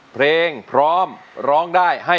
เพลงเก่งของคุณครับ